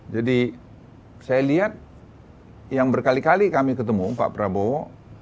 jadi saya lihat yang berkali kali kami ketemu pak prabowo